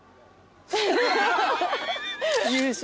優勝。